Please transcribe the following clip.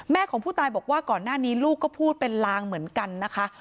ของผู้ตายบอกว่าก่อนหน้านี้ลูกก็พูดเป็นลางเหมือนกันนะคะ